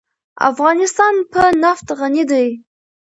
افغانستان په نفت غني دی.